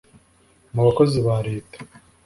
mu bakozi ba Leta